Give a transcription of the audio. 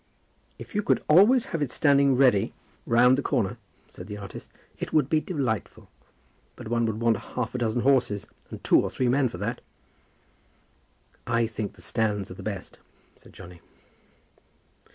"If you could always have it standing ready round the corner," said the artist, "it would be delightful. But one would want half a dozen horses, and two or three men for that." "I think the stands are the best," said Johnny.